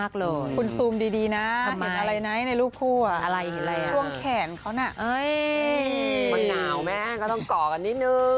คุมดีนะเห็นอะไรไหนในรูปคู่ช่วงแขนเค้ามันหนาวแม่งก็ต้องก่อกันนิดนึง